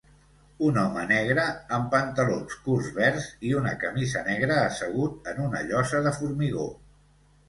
Un home negre, amb pantalons curts verds i una camisa negra, assegut en una llosa de formigó.